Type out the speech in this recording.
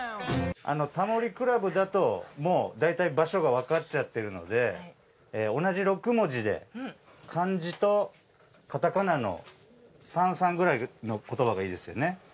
あの「タモリ倶楽部」だともう大体場所がわかっちゃってるので同じ６文字で漢字とカタカナの３３ぐらいの言葉がいいですよね。